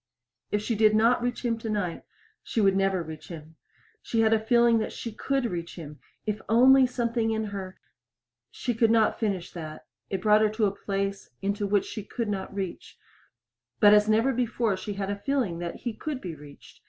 If she did not reach him tonight, she would never reach him. She had a feeling that she could reach him, if only something in her if only something in her She could not finish that; it brought her to a place into which she could not reach, but as never before she had a feeling that he could be reached.